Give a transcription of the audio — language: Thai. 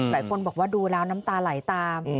หลายคนบอกว่าดูแล้วน้ำตาไหลตาม